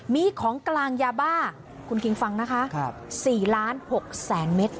มีของกลางยาบ้าคุณคิงฟังนะคะ๔ล้าน๖แสนเมตร